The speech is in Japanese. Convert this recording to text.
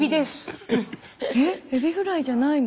えっエビフライじゃないの？